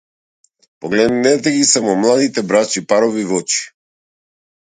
Погледнете ги само младите брачни парови в очи.